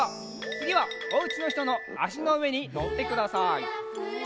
つぎはおうちのひとのあしのうえにのってください。